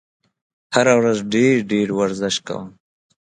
هره ورځ ډېر ډېر ورزش کوه !